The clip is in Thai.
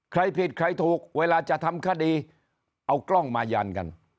ใครผิดใครถูกเวลาจะทำคดีเอากล้องมายันกัน